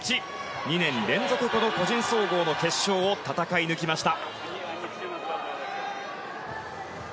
２年連続個人総合の決勝を戦い抜きました。